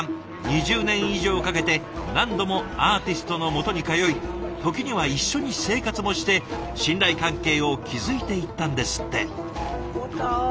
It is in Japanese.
２０年以上かけて何度もアーティストのもとに通い時には一緒に生活もして信頼関係を築いていったんですって。